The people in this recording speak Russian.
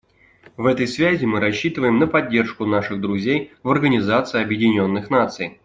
В этой связи мы рассчитываем на поддержку наших друзей в Организации Объединенных Наций.